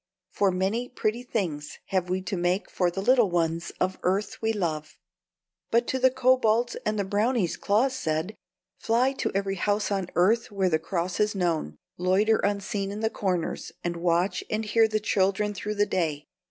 for many pretty things have we to make for the little ones of earth we love!" But to the kobolds and the brownies Claus said: "Fly to every house on earth where the cross is known; loiter unseen in the corners, and watch and hear the children through the day.